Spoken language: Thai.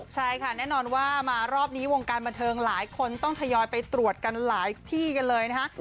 ใช่ค่ะแน่นอนว่ามารอบนี้วงการบันเทิงหลายคนต้องทยอยไปตรวจกันหลายที่กันเลยนะคะ